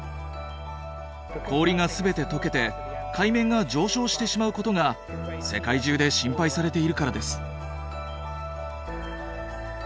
氷が全て解けて海面が上昇してしまうことが世界中で心配されているからです。